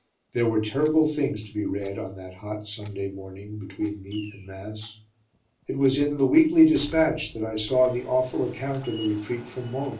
There were terrible things to be read on that hot Sunday morning between meat and mass. It was in The Weekly Dispatch that I saw the awful account of the retreat from Mons.